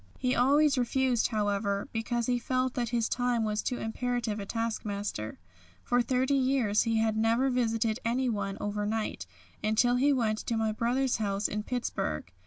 He always refused, however, because he felt that his time was too imperative a taskmaster. For thirty years he had never visited anyone over night, until he went to my brother's house in Pittsburg.